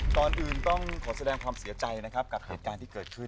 ก่อนอื่นต้องขอแสดงความเสียใจนะครับกับเหตุการณ์ที่เกิดขึ้น